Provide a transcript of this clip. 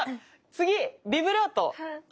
次ビブラート。